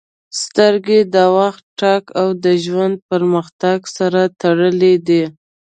• سترګې د وخت تګ او د ژوند پرمختګ سره تړلې دي.